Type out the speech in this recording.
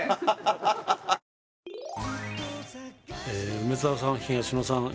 梅沢さん東野さん